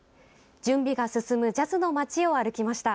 準備が進むジャズの街を歩きました。